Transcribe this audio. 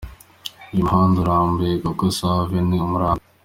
Uyu muhanda urarambuye, kuko Save ni umurambi.